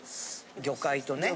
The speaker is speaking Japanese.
魚介とね。